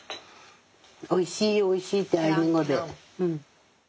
おいしいおいしいってアイヌ語で。